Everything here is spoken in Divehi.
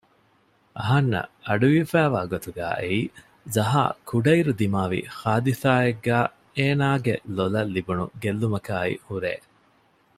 އަހަންނަށް އަޑުއިވިފައިވާ ގޮތުގައި އެއީ ޒަހާ ކުޑައިރު ދިމާވި ޙާދިޘާއެއްގައި އޭނާގެ ލޮލަށް ލިބުނު ގެއްލުމަކާއި ހުރޭ